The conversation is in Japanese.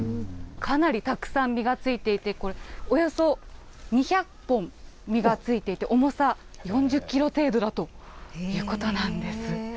かなりたくさん実がついていて、これ、およそ２００本実がついていて、重さ４０キロ程度だということなんです。